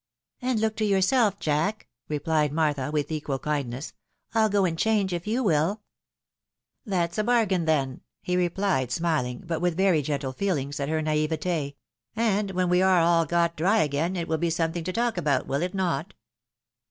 " And look to yourself, Jack," replied Martha, with equal kindness ;" I'll go and change, if you wiH." " That's a bargain then," he replied, smiling, but with very gentle feelings, at her naivete; " and when we are all got diy again, it wiU be something to talk about, will it not